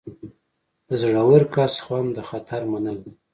د زړور کس خوند د خطر منل دي.